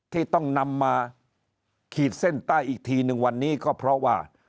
ที่ต้องนำมาขีดเส้นใต้อีกทีหนึ่งวันนี้ก็เพราะว่า